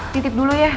titip dulu ya